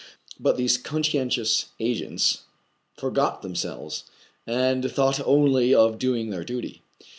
But these conscientious agents forgot themselves, and thought only of doing their duty.